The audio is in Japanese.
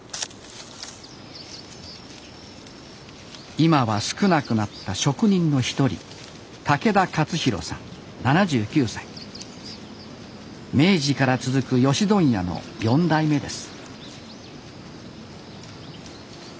今は少なくなった職人の一人明治から続くヨシ問屋の４代目です